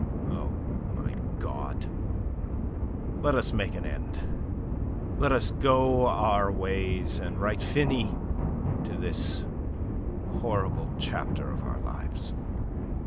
O my God, let us make an end! Let us go our ways and write 'finis' to this horrible chapter of our lives."